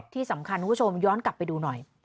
ที่สำคัญคุณผู้ชมย้อนกลับไปดูหน่อย